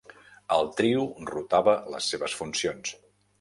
El trio rotava les seves funcions.